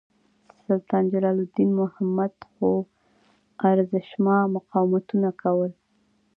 سلطان جلال الدین محمد خوارزمشاه مقاومتونه کول.